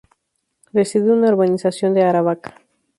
Reside en una urbanización de Aravaca.